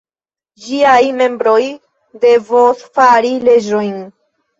Ĝiaj membroj devos fari leĝojn.